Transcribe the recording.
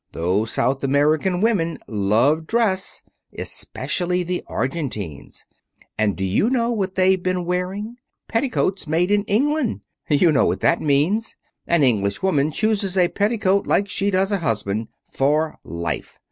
Those South American women love dress especially the Argentines. And do you know what they've been wearing? Petticoats made in England! You know what that means. An English woman chooses a petticoat like she does a husband for life.